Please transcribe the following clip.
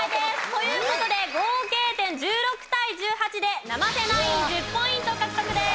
という事で合計点１６対１８で生瀬ナイン１０ポイント獲得です。